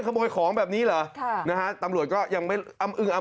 ขยับต่อแล้วอย่าเพิ่งล๒๐๑๘